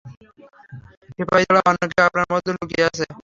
সিপাহী ছাড়া অন্য কেউ আপনার মধ্যে লুকিয়ে আছে।